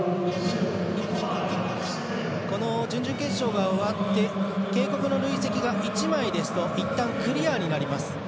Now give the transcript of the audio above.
この準々決勝が終わって警告の累積が１枚ですといったん、クリアになります。